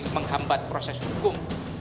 menghambat proses hukum